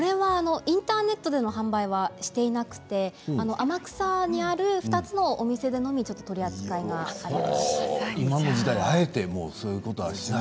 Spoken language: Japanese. インターネットでの販売はしていなくて天草市内にある２つのお店でのみ取り扱いがあるということです。